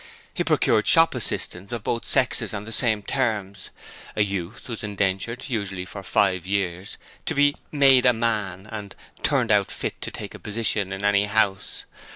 He procured shop assistants of both sexes on the same terms. A youth was indentured, usually for five years, to be 'Made a Man of and 'Turned out fit to take a Position in any House'.